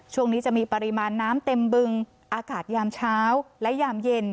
ช่วงนี้จะมีปริมาณน้ำเต็มบึงอากาศยามเช้าและยามเย็น